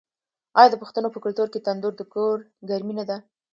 آیا د پښتنو په کلتور کې تندور د کور ګرمي نه ده؟